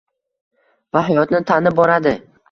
va hayotni tanib boradi.